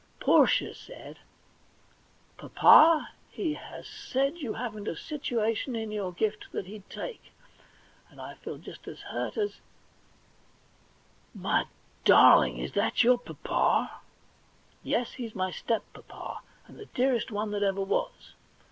Portia said :* Papa, he has said you haven't a situation in your gift that he'd take ; and I feel just as hurt as '* My darling ! is that your papa ?'* Yes ; he's my step papa, and the dearest one that ever was.